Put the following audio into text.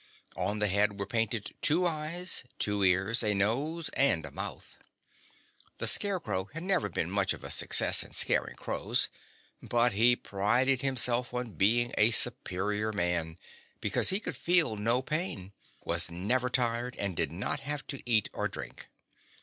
On the head were painted two eyes, two ears, a nose and a mouth. The Scarecrow had never been much of a success in scaring crows, but he prided himself on being a superior man, because he could feel no pain, was never tired and did not have to eat or drink.